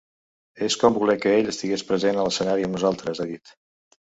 “És com voler que ell estigués present a l’escenari amb nosaltres”, ha dit.